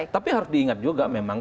tapi harus diingat juga memang